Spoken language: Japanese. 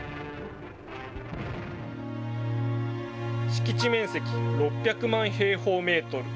敷地面積６００万平方メートル。